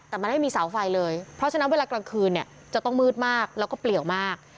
แต่มันไม่มีเสาไฟเลยเพราะฉะนั้นเวลากลางคืนเนี่ยจะต้องมืดมากแล้วก็เปลี่ยวมาก